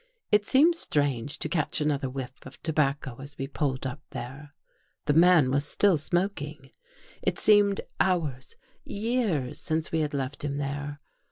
It seemed strange to catch another whiff of tobacco as we pulled up there. The man was still smoking. It seemed hours — years — since we had left him there.